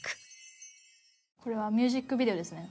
「これはミュージックビデオですね」